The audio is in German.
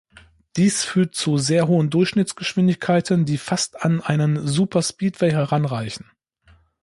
Dies führt zu sehr hohen Durchschnittsgeschwindigkeiten, die fast an einen Superspeedway heranreichen.